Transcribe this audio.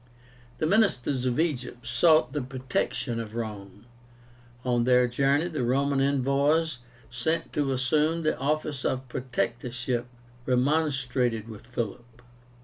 The ministers of Egypt sought the protection of Rome. On their journey, the Roman envoys sent to assume the office of protectorship remonstrated with Philip.